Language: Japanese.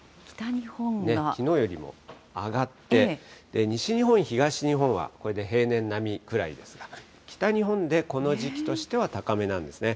きのうよりも上がって、西日本、東日本はこれで平年並みくらいですが、北日本でこの時期としては高めなんですね。